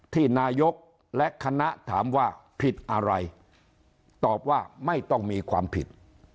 ที่นายกและคณะถามว่าผิดอะไรตอบว่าไม่ต้องมีความผิด